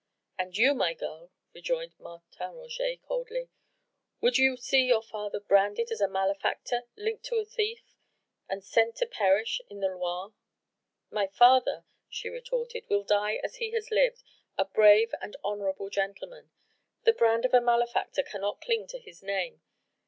"And you, my girl," rejoined Martin Roget coldly, "would you see your father branded as a malefactor, linked to a thief and sent to perish in the Loire?" "My father," she retorted, "will die as he has lived, a brave and honourable gentleman. The brand of a malefactor cannot cling to his name.